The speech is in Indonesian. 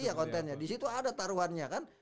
iya kontennya disitu ada taruhannya kan